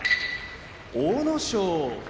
阿武咲